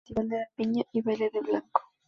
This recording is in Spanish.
Festival de la piña, y baile de Blanco.